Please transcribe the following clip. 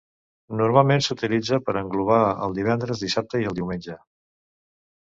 Normalment s'utilitza per englobar el divendres, dissabte i el diumenge.